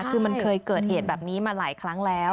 คือมันเคยเกิดเหตุแบบนี้มาหลายครั้งแล้ว